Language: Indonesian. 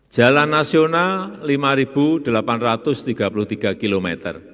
jalan nasional lima delapan ratus tiga puluh tiga km